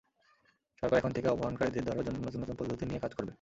সরকার এখন থেকে অপহরণকারীদের ধরার জন্য নতুন নতুন পদ্ধতি নিয়ে কাজ করবে।